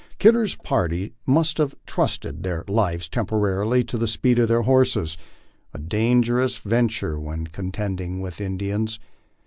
Kidder's party must have trusted their lives temporarily to the speed of their horses a dangerous venture when contending with Indians.